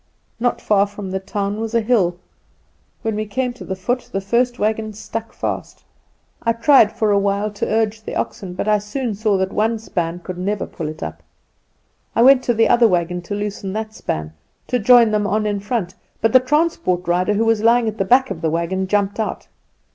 Not far from the town was a hill. When we came to the foot the first wagon stuck fast. I tried for a little while to urge the oxen, but I soon saw the one span could never pull it up. I went to the other wagon to loosen that span to join them on in front, but the transport rider, who was lying at the back of the wagon, jumped out.